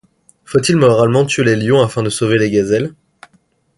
Faut-il moralement tuer les lions afin de sauver les gazelles ?